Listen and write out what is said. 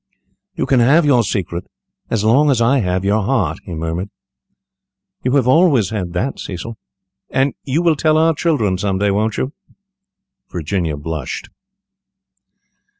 "You can have your secret as long as I have your heart," he murmured. "You have always had that, Cecil." "And you will tell our children some day, won't you?" Virginia blushed.